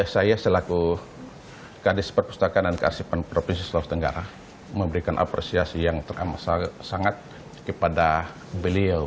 saya selaku kadis perpustakaan dan kearsipan provinsi sulawesi tenggara memberikan apresiasi yang sangat kepada beliau